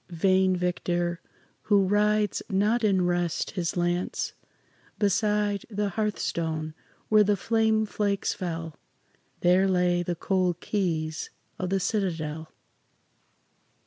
Vain victor who rides not in rest his lance!" Beside the hearthstone where the flame flakes fell, There lay the cold keys of the citadel.